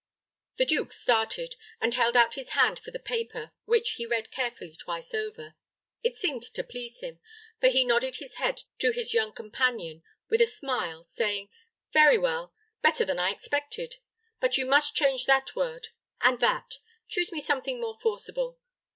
The duke started, and held out his hand for the paper, which he read carefully twice over. It seemed to please him, for he nodded his head to his young companion with a smile, saying, "Very well better than I expected. But you must change that word and that. Choose me something more forcible.